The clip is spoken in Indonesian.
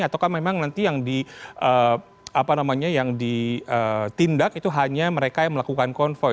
ataukah memang nanti yang ditindak itu hanya mereka yang melakukan konvoy